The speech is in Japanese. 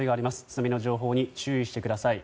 津波の情報に注意してください。